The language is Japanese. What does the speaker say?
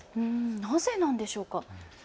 なぜなんでしょうか。